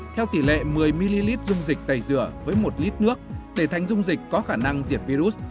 theo tỷ lệ một mươi ml dung dịch tẩy rửa với một lít nước để thành dung dịch có khả năng diệt virus